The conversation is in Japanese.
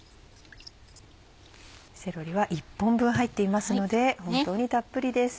セロリは１本分入っていますので本当にたっぷりです。